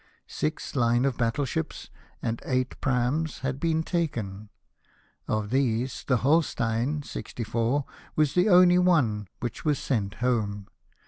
Six hne of battle ships and eight praams had been taken. Of these, the Holstein, 64, was the only one Avhich was sent home.